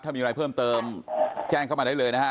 ถ้ามีอะไรเพิ่มเติมแจ้งเข้ามาได้เลยนะฮะ